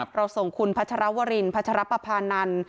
เราส่งคุณพัชรวรินพัชรปภานันทร์